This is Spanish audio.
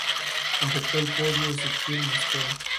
Completó el podio Ezequiel Mosquera.